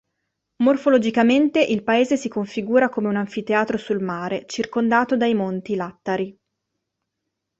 Morfologicamente il paese si configura come un anfiteatro sul mare, circondato dai monti Lattari.